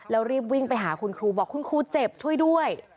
แล้วรีบวิ่งไปหาคุณครูบอกคุณครูเจ็บช่วยด้วย